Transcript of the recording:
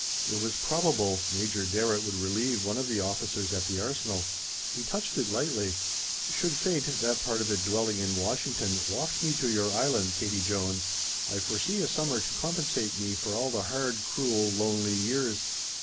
It was probable Major Darrett would relieve one of the officers at the Arsenal. He touched it lightly. "Should fate that part of it dwelling in Washington waft me to your Island, Katie Jones, I foresee a summer to compensate me for all the hard, cruel, lonely years."